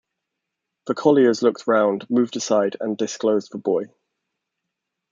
The colliers looked round, moved aside, and disclosed the boy.